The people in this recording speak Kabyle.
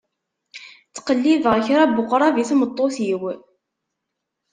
Ttqellibeɣ kra n weqrab i tmeṭṭut-iw.